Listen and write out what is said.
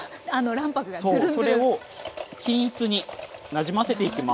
そうそれを均一になじませていきます。